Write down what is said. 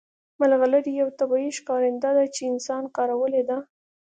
ملغلرې یو طبیعي ښکارنده ده چې انسان کارولې ده